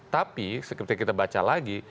jadi ketika kita baca lagi